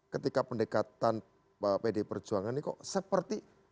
ketika pendekatan pd perjuangan ini kok seperti